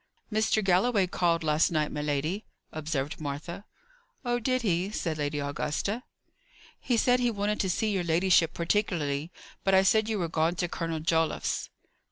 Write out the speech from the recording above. "Mr. Galloway called last night, my lady," observed Martha. "Oh, did he?" said Lady Augusta. "He said he wanted to see your ladyship particularly. But I said you were gone to Colonel Joliffe's."